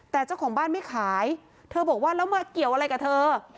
แต่เจ้าของบ้านไม่ขายเธอบอกว่าแล้วมาเกี่ยวอะไรกับเธอ